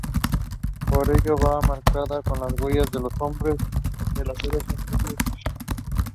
Por ello va marcada con las huellas de los hombres de las eras anteriores.